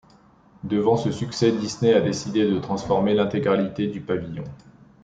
Devant ce succès Disney a décidé de transformer l'intégralité du pavillon.